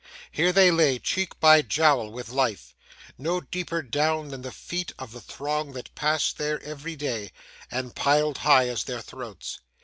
Here they lay, cheek by jowl with life: no deeper down than the feet of the throng that passed there every day, and piled high as their throats.